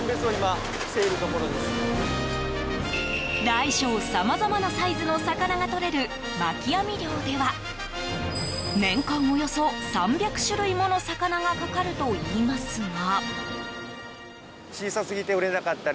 大小さまざまなサイズの魚がとれる巻き網漁では年間およそ３００種類もの魚がかかるといいますが。